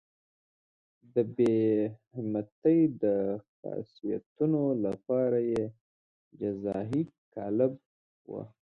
د بې همتۍ د خاصیتونو لپاره یې جزایي قالب وو.